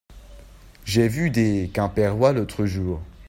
J'ai vu des Quimpérois l'autre jour.